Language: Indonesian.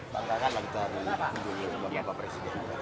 bangga kan lagi terlalu dikunjungi sama bapak presiden